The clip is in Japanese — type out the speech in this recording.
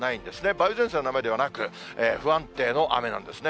梅雨前線の雨ではなく、不安定の雨なんですね。